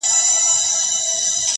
دا زيږې زيږې خبري -